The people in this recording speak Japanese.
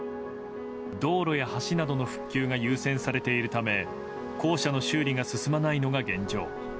道路や橋などの復旧が優先されているため校舎の修理が進まないのが現状。